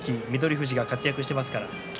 富士が活躍しています。